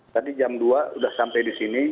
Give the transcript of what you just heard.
tadi jam dua sudah sampai di sini